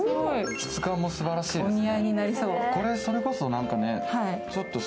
質感もすばらしいですよね。